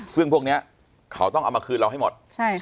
ซึ่งพวกเนี้ยเขาต้องเอาแล้วให้ต้องมาคืนเราให้หมด